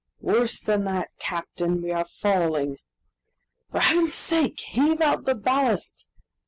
"Worse than that, captain! we are falling!" "For Heaven's sake heave out the ballast!"